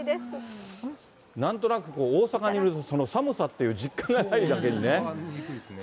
なんとなく、大阪にいると寒さっていう実感がないだけにね。